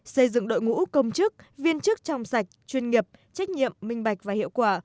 xây dựng đội ngũ công chức viên chức trong sạch chuyên nghiệp trách nhiệm minh bạch và hiệu quả